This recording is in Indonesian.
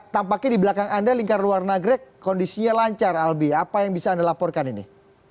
tampaknya di belakang anda lingkar luar nagrek kondisinya lancar albi apa yang bisa anda laporkan ini